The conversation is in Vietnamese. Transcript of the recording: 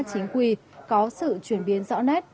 chính quy có sự chuyển biến rõ nét